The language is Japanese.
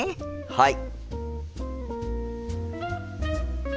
はい！